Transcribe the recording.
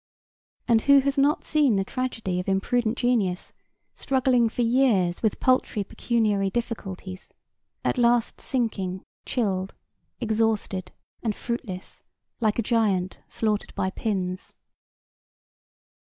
And who has not seen the tragedy of imprudent genius struggling for years with paltry pecuniary difficulties, at last sinking, chilled, exhausted and fruitless, like a giant slaughtered by pins?